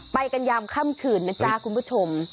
ไปกันยามค่ำคืนนะจ๊ะคุณผู้ชม